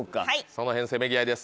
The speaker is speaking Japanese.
その辺せめぎ合いです。